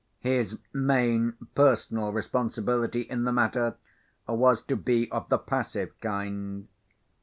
His main personal responsibility in the matter was to be of the passive kind.